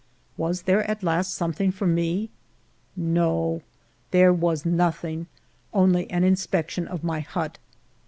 Was there at last something for me ? No ! there was nothing ; only an inspection of my hut.